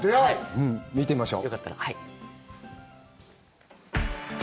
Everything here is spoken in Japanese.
見てみましょう！